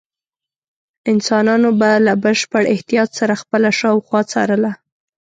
انسانانو به له بشپړ احتیاط سره خپله شاوخوا څارله.